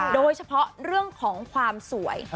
โดยเฉพาะเรื่องของความสวย